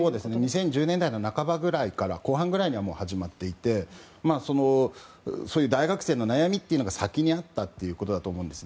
２０１０年代の半ば後半くらいには始まっていてそういう大学生の悩みが先にあったということだと思います。